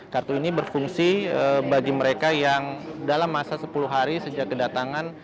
kartu ini berfungsi bagi mereka yang dalam masa sepuluh hari sejak kedatangan